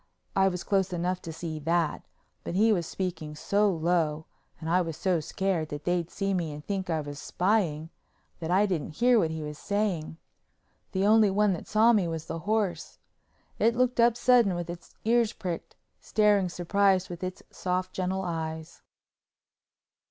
I was close enough to see that, but he was speaking so low and I was so scared that they'd see me and think I was spying, that I didn't hear what he was saying. The only one that saw me was the horse. It looked up sudden with its ears pricked, staring surprised with its soft gentle eyes.